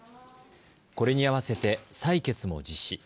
これに合わせて採血も実施。